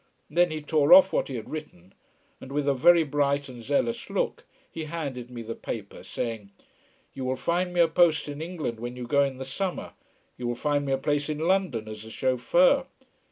Then he tore off what he had written, and with a very bright and zealous look he handed me the paper saying: "You will find me a post in England, when you go in the summer? You will find me a place in London as a chauffeur